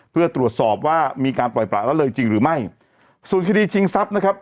เพื่อตรวจสอบว่ามีการปล่อยประละเลยจริงหรือไม่ส่วนคดีชิงทรัพย์นะครับ